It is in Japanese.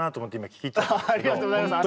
ありがとうございます。